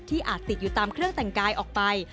อาจติดอยู่ตามเครื่องแต่งกายออกไป